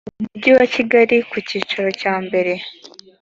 umujyi wa kigali ku cyicaro cyambere